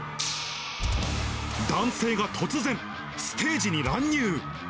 男性が突然、ステージに乱入。